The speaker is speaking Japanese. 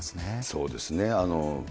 そうですね。